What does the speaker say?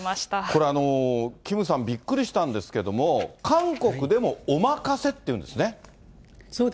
これ、キムさん、びっくりしたんですけど、韓国でもおまかせっていうんですね。